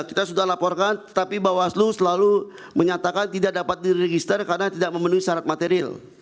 kita sudah laporkan tetapi bawaslu selalu menyatakan tidak dapat diregister karena tidak memenuhi syarat material